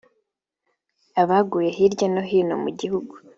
Abaguye hirya no hino mu gihugu